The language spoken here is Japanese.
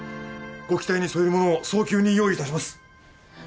ご期待に沿えるものを早急に用意いたします！